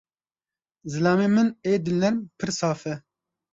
Zilamê min ê dilnerm, pir saf e.